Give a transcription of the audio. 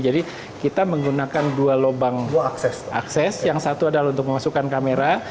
jadi kita menggunakan dua lobang akses yang satu adalah untuk memasukkan kamera